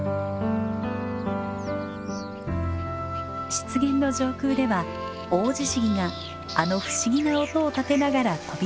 湿原の上空ではオオジシギがあの不思議な音を立てながら飛び続けていました。